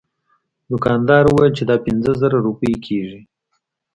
دوکاندار وویل چې دا پنځه زره روپۍ کیږي.